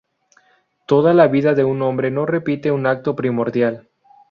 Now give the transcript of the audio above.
Toda la vida de un hombre no repite un acto primordial.